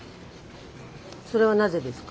それはなぜですか？